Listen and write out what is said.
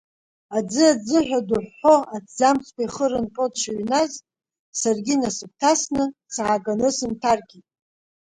Аӡы, аӡы ҳәа дыҳәҳәо, аҭӡамцқәа ихы рынҟьо дшыҩназ, саргьы инасыгәҭасны, сааганы сынҭаркит.